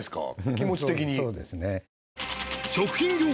気持ち的にそうですね